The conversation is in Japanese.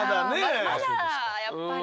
まだやっぱり。